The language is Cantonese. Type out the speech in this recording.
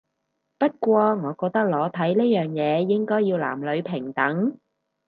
不過我覺得裸體呢樣嘢應該要男女平等